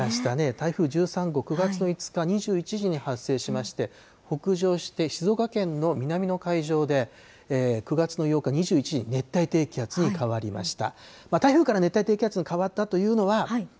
台風１３号、９月の５日２１時に発生しまして、北上して、静岡県の南の海上で、９月の８日２１時に熱帯低気圧に変わりました。